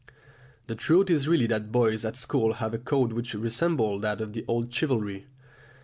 The truth is really that boys at school have a code which resembles that of the old chivalry.